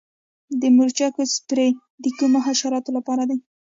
د مرچکو سپری د کومو حشراتو لپاره دی؟